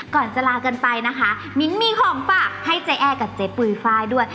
ก่อนจะลากันไปนะคะมิ้นมีของฝากให้เจ๊แอร์กับเจ๊ปุ๋ยไฟล์ด้วย